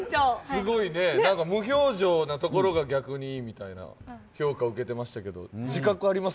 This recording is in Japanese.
すごいね、無表情のところが逆にみたいな評価を受けてたけど、自覚あります？